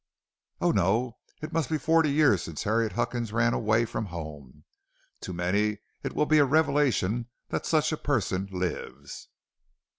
"'Oh, no. It must be forty years since Harriet Huckins ran away from home. To many it will be a revelation that such a person lives.'